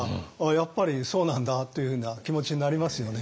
やっぱりそうなんだというふうな気持ちになりますよね。